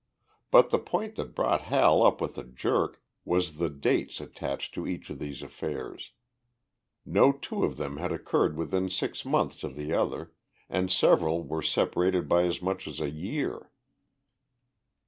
But the point that brought Hal up with a jerk was the dates attached to each of these affairs. No two of them had occurred within six months of the other and several were separated by as much as a year.